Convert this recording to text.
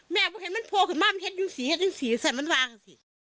แม่ว่าเห็นมันโผล่ขึ้นมามันเห็นยังสีฉันมันว่ากันสิ